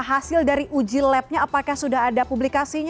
hasil dari uji lab nya apakah sudah ada publikasinya